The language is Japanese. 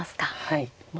はい。